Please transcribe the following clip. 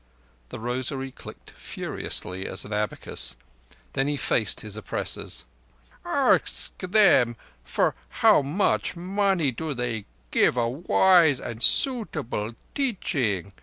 The rosary clicked furiously as an abacus. Then he faced his oppressors. "Ask them for how much money do they give a wise and suitable teaching?